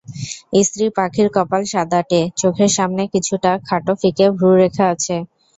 স্ত্রী পাখির কপাল সাদাটে, চোখের সামনে কিছুটা খাটো ফিকে ভ্রুরেখা আছে।